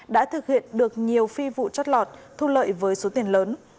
đã thực hiện được nhiều phi vụ chót lọt thu lợi với số tiền lớn